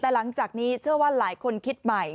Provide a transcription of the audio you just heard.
แต่หลังจากนี้เชื่อว่าหลายคนคิดใหม่